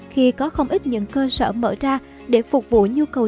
khi có không ít những cơ sở mở ra để phục vụ nhu cầu